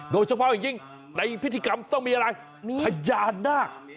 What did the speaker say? โดยเฉพาะอย่างยิ่งในพิธีกรรมต้องมีอะไรมีพญานาค